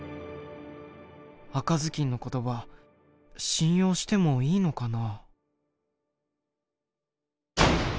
赤ずきんの言葉信用してもいいのかな。